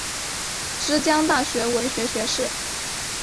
之江大学文学学士。